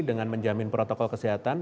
dengan menjamin protokol kesehatan